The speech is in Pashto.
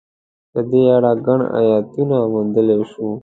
په دې اړه ګڼ ایتونه موندلای شو.